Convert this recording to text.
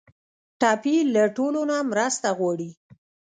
ټپي له ټولو نه مرسته غواړي.